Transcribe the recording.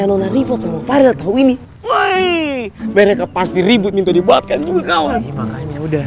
karena ribos sama farel tahu ini woi mereka pasti ribut minta dibuatkan juga kawan makanya udah